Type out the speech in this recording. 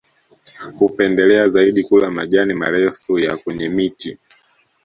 Hupendelea zaidi kula majani marefu ya kwenye miti